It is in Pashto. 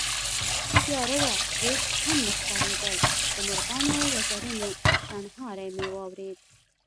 تياره وه، هېڅ هم نه ښکارېدل، د مرغانو د وزرونو شڼهاری مې واورېد